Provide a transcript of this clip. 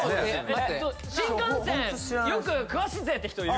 新幹線よく詳しいぜって人いる？